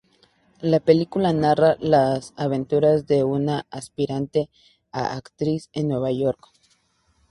La película narra las aventuras de una aspirante a actriz en Nueva York.